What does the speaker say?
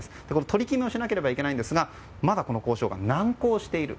取り決めをしなければいけないんですがまだこの交渉が難航している。